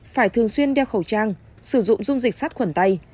phải thường xuyên đeo khẩu trang sử dụng dung dịch sát khuẩn tay